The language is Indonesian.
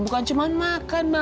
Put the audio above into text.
bukan cuma makan ma